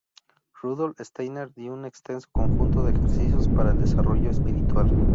Rudolf Steiner dio un extenso conjunto de ejercicios para el desarrollo espiritual.